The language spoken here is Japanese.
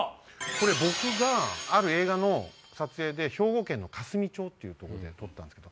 僕がある映画の撮影で兵庫県の香住町というとこで撮ったんですけど。